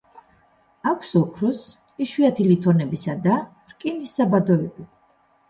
აქვს ოქროს, იშვიათი ლითონებისა და რკინის საბადოები.